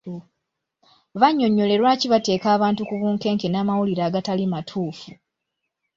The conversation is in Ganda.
Bannyonnyole lwaki bateeka abantu ku bunkenke n’amawulire agatali matuufu.